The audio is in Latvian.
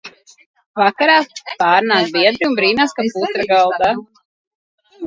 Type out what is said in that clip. Vakarā pārnāk biedri un brīnās, ka putra galdā.